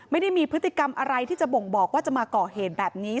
ไม่ได้มีพฤติกรรมอะไรที่จะบ่งบอกว่าจะมาก่อเหตุแบบนี้